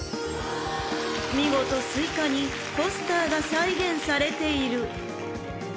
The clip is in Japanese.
［見事スイカにポスターが再現されている］